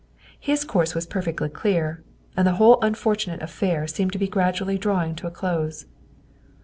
His course was per fectly clear, and the whole unfortunate affair seemed to be gradually drawing to a close.